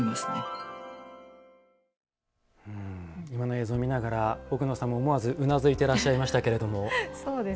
今の映像見ながら奥野さんも思わずうなずいてらっしゃいましたが。